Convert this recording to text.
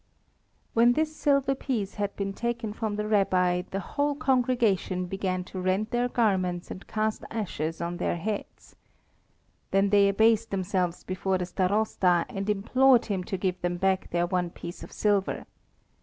[Footnote 15: Worth about 6d.] When this silver piece had been taken from the Rabbi, the whole congregation began to rend their garments and cast ashes on their heads. Then they abased themselves before the Starosta and implored him to give them back their one piece of silver.